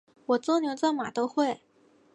我做牛做马都会